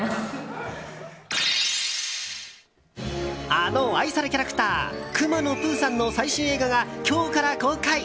あの愛されキャラクターくまのプーさんの最新映画が今日から公開。